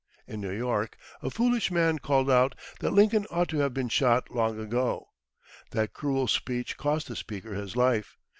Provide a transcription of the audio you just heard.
In New York, a foolish man called out that Lincoln ought to have been shot long ago. That cruel speech cost the speaker his life.